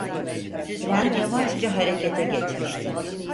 Tren yavaşça harekete geçmişti.